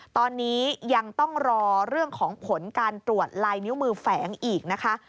ตอนนี้ยังต้องรอเรื่องของผลการตรวจลายนิ้วมือแฝงอีกนะคะ